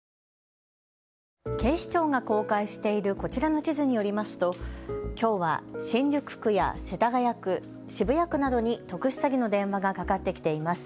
警視庁が公開しているこちらの地図によりますときょうは新宿区や世田谷区、渋谷区などに特殊詐欺の電話がかかってきています。